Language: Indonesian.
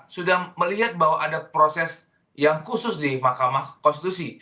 sudah melihat bahwa ada proses yang khusus di mahkamah konstitusi